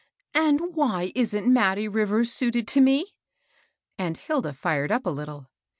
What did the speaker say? " And why isn't Mattie Rivers suited to me ?" and Hilda fired up a little.